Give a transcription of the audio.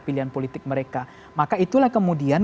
pilihan politik mereka maka itulah kemudian